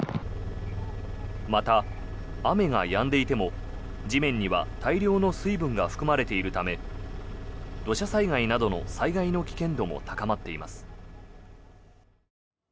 また、雨がやんでいても地面には大量の水分が含まれているため土砂災害などの災害の危険度も高まっています。